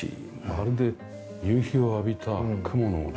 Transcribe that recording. まるで夕日を浴びた雲の。